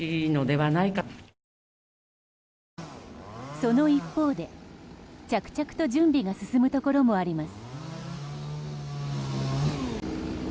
その一方で、着々と準備が進むところもあります。